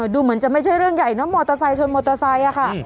ดูเหมือนจะไม่ใช่เรื่องใหญ่เนอะมอเตอร์ไซค์ชนมอเตอร์ไซค์ค่ะ